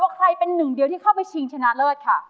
ใครเป็นหนึ่งเดียวที่เข้าไปชิงชนะเลิศค่ะ